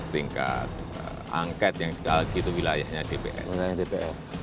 tingkat angket yang segala gitu wilayahnya dpr